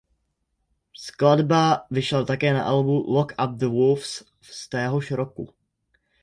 Skladba vyšla také na albu Lock up the Wolves z téhož roku.